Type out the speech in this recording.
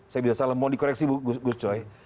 saya bisa salah mohon dikoreksi bu gus coy